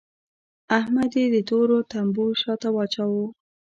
احمد يې د تورو تمبو شا ته واچاوو.